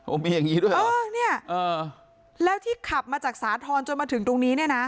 มีอย่างนี้ด้วยเหรอเออเนี่ยเออแล้วที่ขับมาจากสาธรณ์จนมาถึงตรงนี้เนี่ยนะ